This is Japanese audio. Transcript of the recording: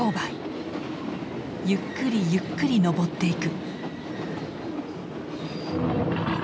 ゆっくりゆっくり登っていく。